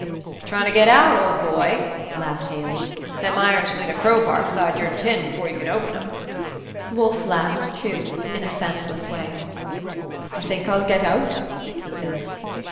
"Tryin' to get out, old boy?" laughed Haley. "Them irons will need a crow bar beside your tin, before you can open 'em." Wolfe laughed, too, in a senseless way. "I think I'll get out," he said.